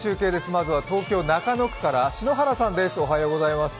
まずは東京・中野区から篠原さんです。